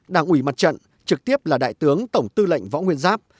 đảng ủy mặt trận trực tiếp là đại tướng tổng tư lệnh võ nguyên giáp